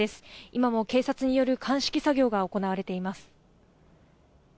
今も警察による鑑識作業が行われています。